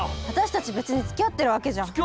私たち別に付き合ってるわけじゃ。